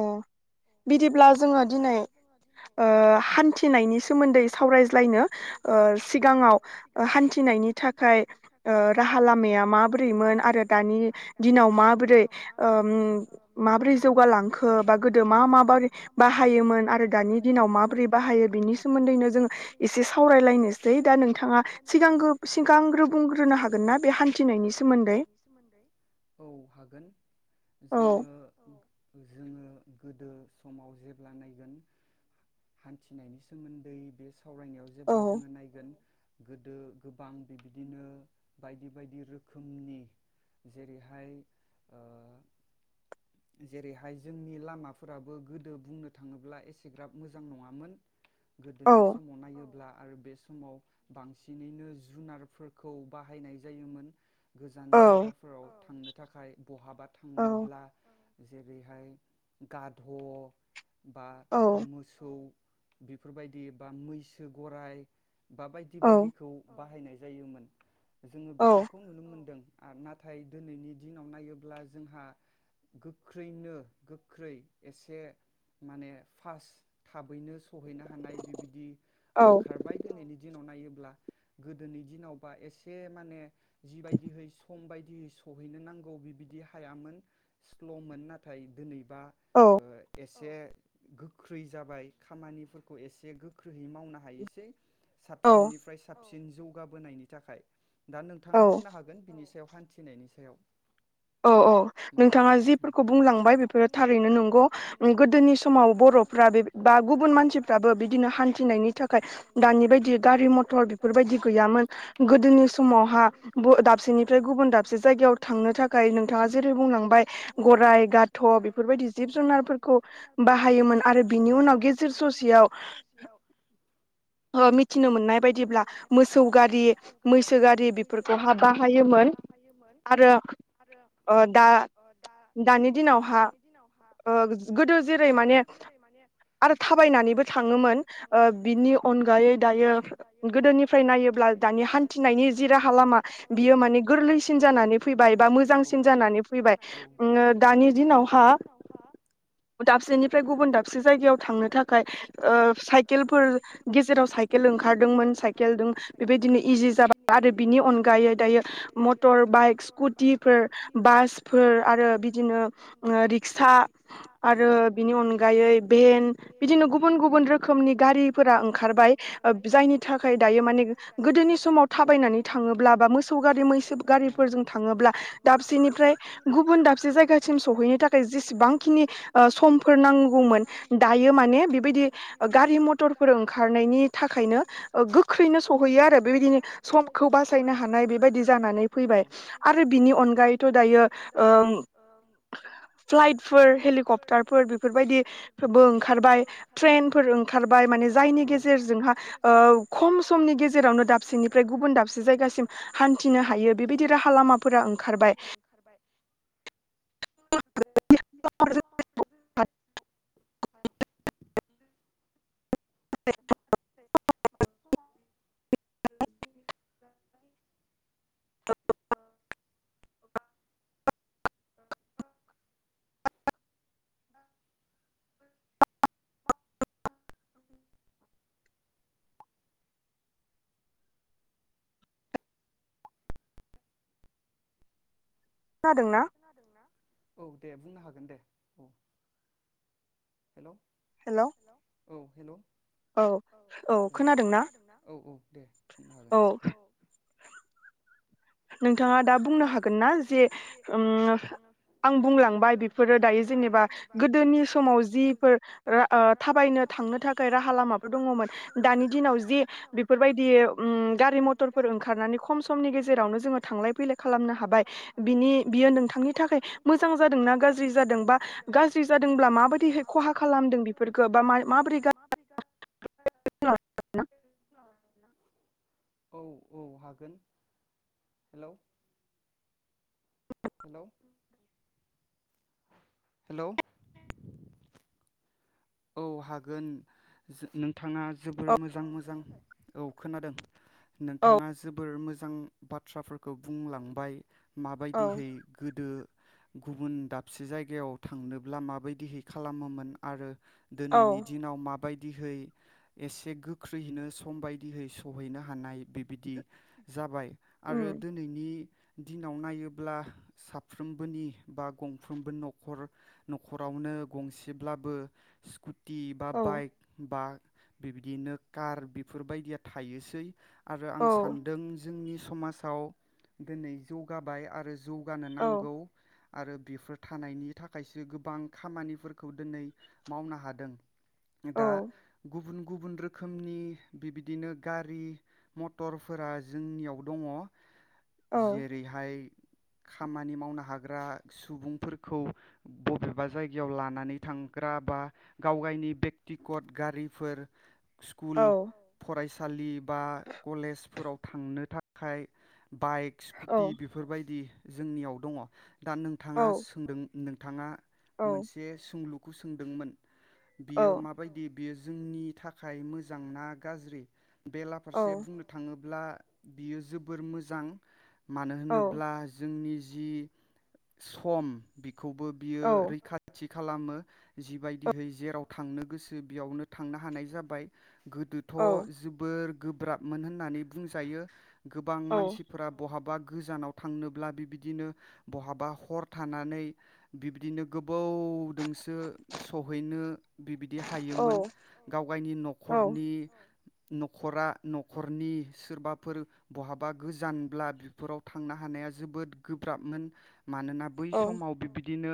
अ बिदिब्ला जोङो दिनै ओ हान्थिनायनि सोमोन्दै सावरायज्लायनो ओ सिगाङाव हान्थिनायनि थाखाय ओ राहा लामाया माबोरैमोन आरो दानि दिनाव माबोरै ओ माब्रै माबोरै जौगालांखो बा गोदो मा माबोरै बाहायोमोन आरो दानि दिनाव माबोरै बाहायो बेनि सोमोन्दैनो जों एसे सावरायलायनोसै दा नोंथाङा सिगांग्रो बुंग्रोनो हागोनना बे हान्थिनायनि सोमोन्दै औ हागोन। जोङो। जोङो गोदो समाव जेब्ला नायगोन हान्थिनायनि सोमोन्दै बे सम सावरायनायाव जेब्ला जोङो नायगोन। गोदो गोबां बिबदिनो बायदि बायदि रोखोमनि जेरैहाय जेरैहाय जोंनि लामाफोराबो गोदो बुंनो थाङोब्ला एसेग्राब मोजां नङामोन। गोदोनि समाव नायोब्ला आरो बे समाव बांसिनैनो जुनारफोरखौ बाहायनाय जायोमोन। गोजान जायगाफोराव थांनो। थाखाय। बहाबा थांनोब्ला जेरैहाय गाद' बा मोसौ। बेफोर बायदि बा मैसो गराइ। बा बायदि बायदिखौ बाहायनाय जायोमोन। जोङो बेफोरखौ नुनो मोनदों। नाथाय दिनैनि दिनाव नायोब्ला जोंहा। गोख्रैनो गोख्रै एसे माने पास्त थाबैनो सहैनो हानाय बिबायदि ओंखारबाय दिनैनि दिनाव नायो [unintelligible] गोदोनि दिनावबा एसे माने जि बायदिहै सम बायदि जि सहैनो नांगौ बिबायदि हायामोन। स्लमोन नाथाय दिनै औ। एसे गोख्रै जाबाय खामानिफोरखौ एसे गोख्रैयै मावनो हायोसै। साबसिननिफ्राय साबसिन थिन जौगाबोनायनि थाखाय दा नोंथाङा बुंनो हागोन बिनि सायाव फान्थिनायनि सायाव औ औ नोंथाङा जि फोरखौ बुंलांबाय बेफोरो थारैनो नंगौ गोदोनि समाव बरफ्रा बे बा गुबुन मानसिफ्राबो बिदिनो हान्थिनायनि थाखाय दानि बायदि गारि मथर बेफोरबायदि गैयामोन गोदोनि समावहा दाबसेनिफ्राय गुबुन दाबसे जायगायाव थांनो थाखाय गाय नोंथाङा जेरै बुंलांबाय गराइ गाथ बेफोरबायदि जिब जुनारफोरखौ बाहायोमोन आरो बिनि उनाव गेजेर ससेयाव मिथिनो मोननाय बायदिब्ला मोसौ गारि मैसो गारि बेफोरखौ हा बाहायोमोन आरो अ दा दानि दिनावहा गोदो जेरै माने आरो थाबायनानैबो थाङोमोन बिनि अनगायै दायो गोदोनिफ्राय नायोब्ला दानि हान्थिनायनि जि राहा लामा बियो माने गोरलैसिन जानानै फैबाय बा मोजां बांसिन जानानै फैबाय। ओंओ दानि दिनावहा दाबसेनिफ्राय गुबुन दाबसे जायगायाव थांनो थाखाय साइकेलफोर गेजेराव साइकेल ओंखारदोंमोन साइकेलजों बेबायदिनो इजि जाबाय आरो बिनि अनगायै दायो motor bike scooty four bus फोर आरो बिदिनो रिक्सा आरो बिनि अनगायै भेन बिदिनो गुबुन गुबुन रोखोमनि गारिफोरा ओंखारबाय जायनि थाखाय दायो माने गोदोनि समाव थाबायनानै थाङोब्ला बा मोसौ गारि मैसो गारिफोरजों थाङोब्ला दाबसेनि दाबसेनिफ्राय गुबुन दाबसे जायगासिम सहैनो थाखाय जेसेबांखिनि समफोर नांगौमोन दायो माने बेबायदि गारि मथरफोर ओंखारनायनि थाखायनो गोख्रैनो सहैयो आरो बेबायदिनो समखौ बासायनो हानाय बेबायदि जानानै फैबाय आरो दायो फ्लाइटफोर हेलिकपटार फोर बेफोरबायदिबो ओंखारबाय ट्रेन फोर ओंखारबाय माने जायनि गेजेरजोंहा खम समनि गेजेरावनो दाबसेनिफ्राय गुबुन दाबसे जायगासिम हान्थिनो हायो बेबायदि राहा लामाफोरा ओं खारबाय [unintelligible] [inaudible] [inaudible] खोनादोंना औ दे बुंनो हागोन दे औ हेलौ हेलौ औ हेलौ औ औ खोनादोंना औ औ दे बुंनो हागोन औ नोंथाङा दा बुंनो हागोनना जे उम आं बुंलांबाय बेफोरो दायो जेनेबा गोदोनि समाव जिफोर ओ ओ थाबायनो थांनो थाखाय राहा लामाफोर दङमोन दानि दिनाव जे बेफोरबायदि ओम गारि मथरफोर ओंखारनानै खम समनि गेजेराव नो [unintelligible] जोङो थांलाय फैलाय खालामनो हाबाय बिनि बियो नोंथांनि थाखाय मोजां जादोंना गाज्रि जादों बा गाज्रि जादोंब्ला माबोरदि खहा खालामदों बेफोरखौ बा माबोरै [unintelligible] औ औ हागोन। हेलौ हेलौ हेलौ औ हागोन जो नों थाङा जोबोर मोजां मोजां औ खोनादों नोंथाङा जोबोर मोजां बाथ्राफोर खौ बुंलांबाय माबायदिहै गोदो गुबुन दाबसे जायगायाव थांनोब्ला माबायदिहै खालामोमोन, आरो दोनैनि दिनाव मा बायदिहै एसे गोख्रैहैनो समबायदिहै सहैनो हानाय बिबिदि जाबाय आरो दोनैनि दिनाव नायोब्ला साफ्रोमबोनि बा गंफ्रोमबो न'खर न'खरावनो गंसेब्लाबो स्कु- टि बा बाइक बा बेबायदिनो कार बेफोरबायदिया थायोसै। आरो आं सान्दों जोंनि समाजाव दिनै जौगाबाय आरो जौगानो नांगौ। आरो बिफोर थानायनि थाखायसो गोबां खामानिफोरखौ दोनै मावनो हादों। दा गुबुन गुबुन रोखोमनि बिबिदिनो गारि मटरफोरा जोंनियाव दङ' जेरैहाय खामानि मावनो हाग्रा सुबुंफोरखौ बबेबा जायगायाव लानानै थांग्रा बा गावगायनि बेक्तिगत गारिफोर स्कुल, फरायस सालि बा कलेजफोराव थांनो थाख खाय बाइक स्कुटि बेफोरबायदि जोंनियाव दङ। दा नोंथाङा सोंदों नोंथाङा मोनसे सुंलु सोंदोंमोन बियो माबायदि बेयो जोंनि थाखाय मोजां ना गाज्रि? बेला फारसे बुंनो थाङो ब ब्ला बियो जोबोर मोजां मानो होनोब्ला जोंनि जि सम बि खौबो बियो रैखाथि खालामो जिबायदिहै जेराव थांनो गोसो बेयावनो थांनो हानाय जाबाय गोदोथ जोबोर गोब्राबमोन होननानै बुंजायो। गोबां मानसिफोरा बहाबा गोजानाव थांनोब्ला बिबिदिनो बहाबा हर थानानै बिबदिनो गो बोवदोंसो सहैनो बिबिदि हायोमोन [inaudible] गावगायनि [inaudible] नखरनि नखरा नखरनि सोरबाफोर बहाबा गोजानब्ला बेफोराव थांनो हानाया जोबोद गोब्राबमोन। मानोना बै समाव बिबदिनो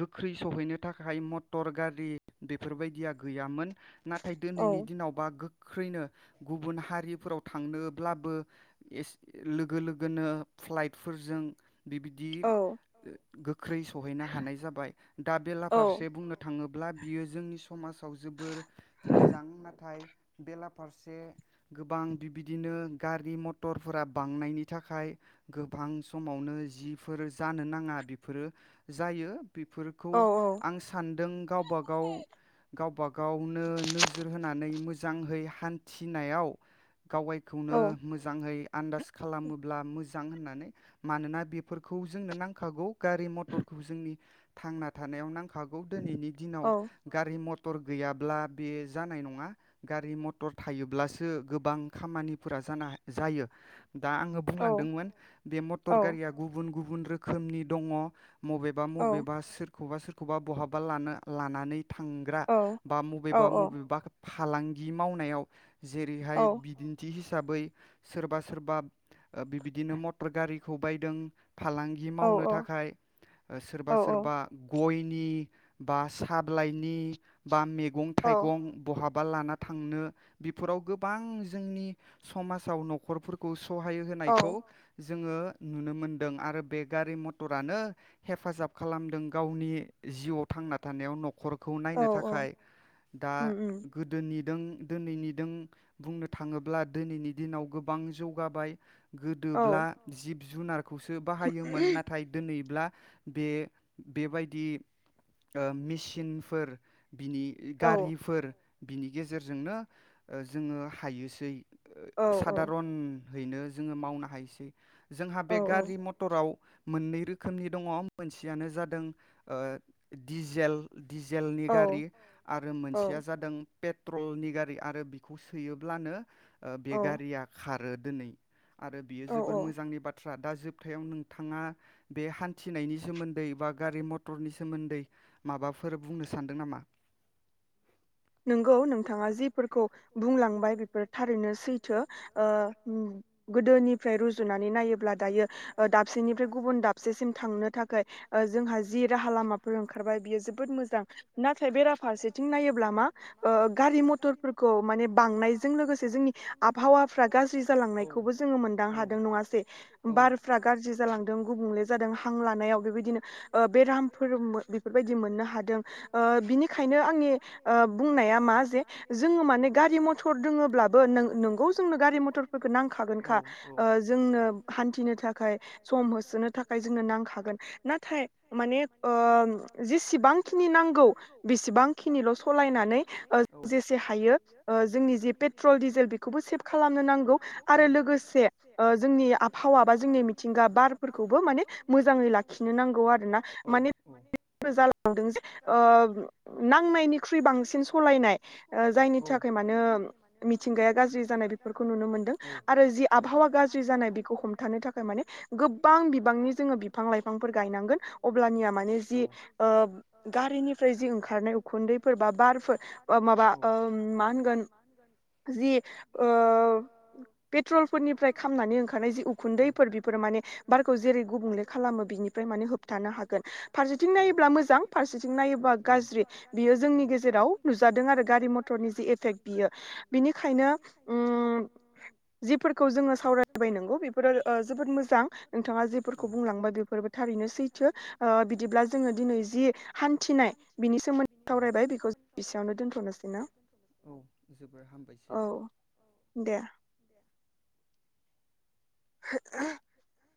गोख्रै सहैनो थाखाय मद टर गारि बेफोरबायदिया गैयामोन। नाथाय दिनैनि दिनावबा गो गोख्रैनो गुबुन हारिफोराव थांनोब्लाबो इस लोगो लोगोनो फ्लाइटफोरजों बेबदि औ गो गोख्रै सहैनो हानाय जाबाय दा बेला फारसे बुंनो थाङोब्ला बियो जोंनि समाजाव जोबोर मोजां नाथाय बेलाफारसे गोबां बिबिदिनो गारि मथरफोरा बांनायनि थाखाय गोबां समावनो जिफोर जानो नाङा बेफोरो जायो बेफोरखौ आं सान गावबा-गाव गावबा-गावनो नोजोर होनानै मोजांहै हान्थिनायाव गावबायखौनो मोजाङै आन्दाज खालामोब्ला मोज दां होननानै मानोना बेफोरखौ जोंनो नांखागौ गारि मथरखौ जोंनि थांना थानायाव नांखा दिनैनि दिनाव गारि मथ मटर गैयाब्ला बे जानाय नङा गारि मथर थायोब्लासो गोबां खामानिफोरा जानोहा जायो दा आङो बुंलांदोंमोन बे मटर गारिया गुबुन गुबु गुबुन रोखोमनि दङ बबेबा मबेबा सोर सोरखौबा सोरखौबा बहाब बा लानो लानानै थांग्रा बा मबेबा मबेबा फालांगि मावनायाव जेरैहाय बिदिन्थि हिस हिसाबै सोरबा सोरबा बिबिदिनो मटर गारिखौ बायदों फालांगि मावनो थाखाय ओ सोरबा सोरबा गय नि बा साबलाइनि बा मेग गं थाइगं बहाब बा लाना थांनो बेफोराव गोबां जोंनि समाजाव नखरफोरखौ सु सहाय होनायखौ जो जोङो नुनो मोनदों आरो बे गारि मटरानो हेफाजाब खालामदों गावनि जिउआव थांना थानायाव न नखरखौ नायनो थाखाय दा गोदोनि दों दिनैनि दों बुंनो थाङोब्ला दिनैनि दिनाव गोबां जौगाबाय गोदोब्ला जिब जुनार खौसो बाहायोमोन नाथाय दोनैब्ला बे बेबायदि ओ मेसिनफोर बिनि गारिफोर बिनि गेजेरजोंनो ओ जोङो हायोसै साधारन हैनो जोङो मावनो हायसै जोंहा बे गारि मटराव मोननै रोखोमनि दङ मोनसेयानो जादों ओ दिजेल दिजेलनि गारि आरो मोनसेया जादों पेट्रलनि गारि आरो बिखौ सोयोब्लानो बे गारिया खार रो दिनै आरो बियो जोबोर मोजांनि बाथ थ्रा दा जोबथायाव नोंथाङा बे हान्थिनायनि सोमोन्दै बा गारि मथरनि सोमोन्दै माबाफोर बुंनो सानदों नामा? नोंगौ नोंथाङा जि फोर खौ बुंलांबाय बेफोर थारैनो सैथो ओ होम गोदोनिफ्राय रुजुनानै नायोब्ला दायो ओ दाबसेनिफ्राय गुबुन दाबसेसिम थांनो थाखाय ओ जोंहा जि राहा लामाफोर ओंखारबाय बियो जोबोद मोजां नाथाय बेराफारसेथिं नायोब्ला मा ओ गारि मथरफोरखौ माने बांनायजों लोगोसे जोंनि आबहावाफ्रा गाज्रि जालांनायखौबो जोङो दां हादों नङासै बारफ्रा गाज्रि जालांदों गुबुंले जादों हां लानायाव बेबायदिनो ओ बेरामफोर बेफोरबायदि मोननो हादों ओ बिनिखायनो आंनि बुंनाया मा जे जोङो माने गारि मथर दोङोब्लाबो नोंगौ जोंनो गारि मथरफोरखौ नांखागोन ओ जोंनो हान्थिनो थाखाय सम होसोनो थाखाय जोंनो नांखागोन नाथाय माने ओ जेसेबांखिनि नांगौ बेसेबांखिनिल सलायना नै‌ जेसे हायो जोंनि जे पेट्रल डिजेल बेखौबो सेभ खालामनो नांगौ आरो लो लोगोसे ओ जोंनि आबहावा बा जोंनि मिथिंगा बारफोरखौबो माने मोजाङै लाखिनो नांगौ आरोना माने [unintelligible] जालांदों जे ओ नांनायनिख्रुइ बांसिन सलायनाय जायनि थाखाय मानो मिथिंगाया गाज्रि जानाय बेफोरखौ नुनो मोनदों आरो जि आबहावा गाज्रि जानाय बेखौ हमथानो थाखाय माने गोबां बिबांनि जोङो बिफां लाइफांफोर गायनांगोन अब्लानिया माने जि ओ गारिनिफ्राय जि ओंखारनाय उखुन्दैफोर बा बार फोर माबा ओ मा होनगोन जि ओ पेट्रल फोरनिफ्राय खामनानै ओंखारनाय जि उखुन्दैफोर बेफोर माने बारखौ जेरै गुबुंले खालामो बिनिफ्राय माने होबथानो हागोन फारसेथिं नायोब्ला मोजां फारसेथिं नायोब्ला गाज्रि बियो जोंनि गेजेराव नुजादों आरो गारि मथरनि जि एफेक्ट बियो बिनिखायनो ओम जि फोरखौ जोङो सावरायबाय नोंगौ बेफोरो जोबोद मोजां नोंथाङा जेफोरखौ बुंलांबाय बेफोरबो थारैनो सैथो ओ बिदिब्ला जोङो दिनै जि हान्थिनाय बिनि सोमोनबिनि सोमोन्दै सावरायबाय बेखौ ज बिसेयावनो दोन्थनोसै ना औ दे [inaudible]